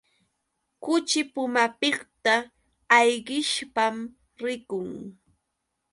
Kuchi pumapiqta ayqishpam rikun.